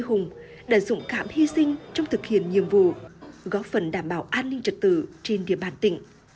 hùng đã dũng cảm hy sinh trong thực hiện nhiệm vụ góp phần đảm bảo an ninh trật tự trên địa bàn tỉnh hồ chí minh